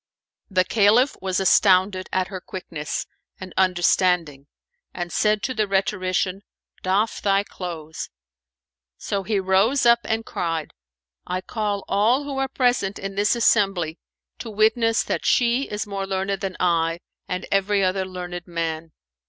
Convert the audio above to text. The Caliph was astounded at her quickness and understanding, and said to the rhetorician, "Doff thy clothes." So he rose up and cried, "I call all who are present in this assembly to witness that she is more learned than I and every other learned man."